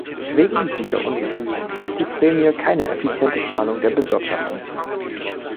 Wegen dieser Ungewissheit lässt die Prämie keine effiziente Planung der Bewirtschaftung zu.